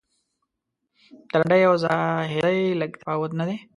د رندۍ او زاهدۍ لږ تفاوت نه دی.